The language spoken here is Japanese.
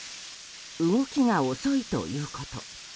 動きが遅いということ。